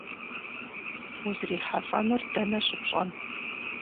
УзрихьэлӀэнур дэнэ щыпщӀэн?